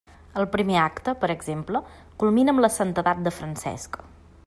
El primer acte, per exemple, culmina amb la santedat de Francesc.